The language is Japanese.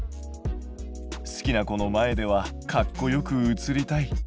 好きな子の前ではかっこよく写りたい。